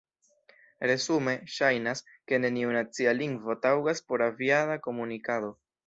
Resume, ŝajnas, ke neniu nacia lingvo taŭgas por aviada komunikado.